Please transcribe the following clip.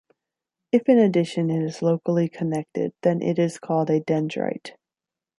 If in addition it is locally connected then it is called a dendrite.